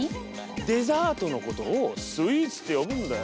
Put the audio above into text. デザートのことをスイーツって呼ぶんだよ。